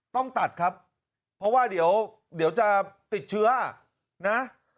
ต้องตัดครับเพราะว่าเดี๋ยวจะติดเชื้อนะ